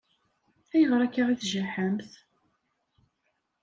Ayɣer akka i tjaḥemt?